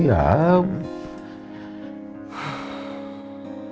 iyaa menurut kapa sih